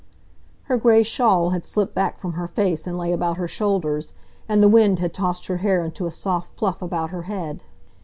Her gray shawl had slipped back from her face and lay about her shoulders, and the wind had tossed her hair into a soft fluff about her head.